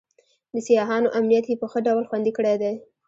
د سیاحانو امنیت یې په ښه ډول خوندي کړی دی.